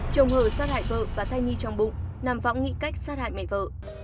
chồng hờ sát hại vợ và thai nhi trong bụng nằm võng nghị cách sát hại mẹ vợ